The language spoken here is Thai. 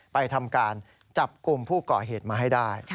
ไปทำการจับกลุ่มผู้ก่อเหตุมาให้ได้